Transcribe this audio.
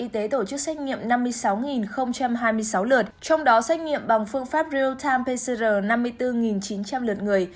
trong đó xét nghiệm bằng phương pháp real time pcr năm mươi bốn chín trăm linh lượt người